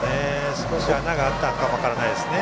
少し穴があったのかも分からないですね。